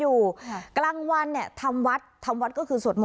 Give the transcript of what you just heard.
อยู่ค่ะกลางวันเนี้ยทำวัชทำวัชก็คือสว